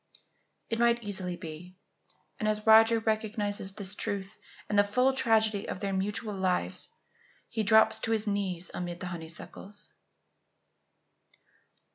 It might easily be; and as Roger recognizes this truth and the full tragedy of their mutual lives, he drops to his knees amid the honeysuckles.